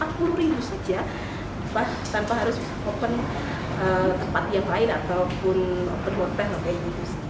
tanpa harus open tempat yang lain ataupun open hotel